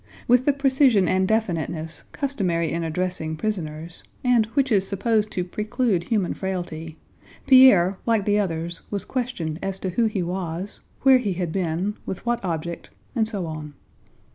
With the precision and definiteness customary in addressing prisoners, and which is supposed to preclude human frailty, Pierre like the others was questioned as to who he was, where he had been, with what object, and so on.